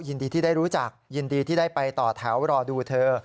ยินดีที่ได้รู้จักยินดีที่ได้ไปต่อแถวรอดูเธอ